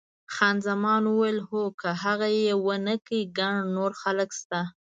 خان زمان وویل، هو، خو که هغه یې ونه کړي ګڼ نور خلک شته.